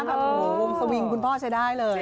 แบบโอ้โหวงสวิงคุณพ่อใช้ได้เลย